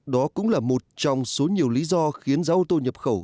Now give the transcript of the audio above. đó cũng là một trong số nhiều lý do khiến giá ô tô nhập khẩu